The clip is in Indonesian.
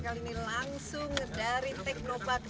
kali ini langsung dari teknopark